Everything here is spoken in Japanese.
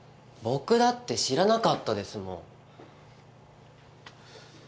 僕だって知らなかったですもん。